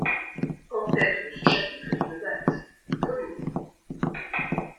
En tête de ce chapitre est une date : premier